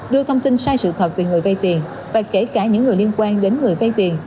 đưa thông tin sai sự thật về người vay tiền và kể cả những người liên quan đến người vay tiền